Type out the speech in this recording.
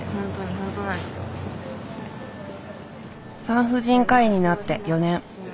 産婦人科医になって４年。